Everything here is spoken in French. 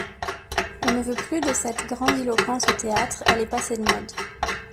On ne veut plus de cette grandiloquence au théâtre, elle est passée de mode.